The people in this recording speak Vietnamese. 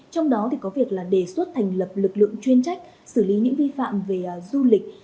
trong đó có việc là đề xuất thành lập lực lượng chuyên trách xử lý những vi phạm về du lịch